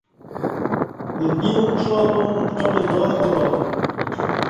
ببدی اوں کݜالوم کٹال ایمرا کرالا